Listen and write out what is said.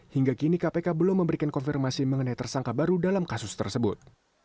hingga kini kpk belum memberikan konfirmasi mengenai tersangka baru dalam kasus tersebut